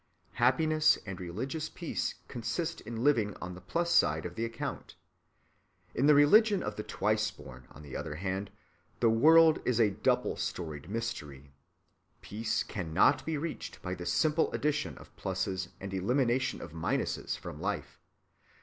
Happiness and religious peace consist in living on the plus side of the account. In the religion of the twice‐ born, on the other hand, the world is a double‐storied mystery. Peace cannot be reached by the simple addition of pluses and elimination of minuses from life.